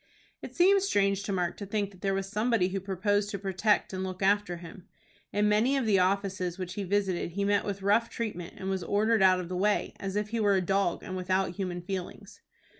It seemed strange to Mark to think that there was somebody who proposed to protect and look after him. In many of the offices which he visited he met with rough treatment, and was ordered out of the way, as if he were a dog, and without human feelings.